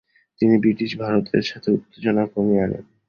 তিনি ব্রিটিশ ভারতের সাথে উত্তেজনা কমিয়ে আনেন।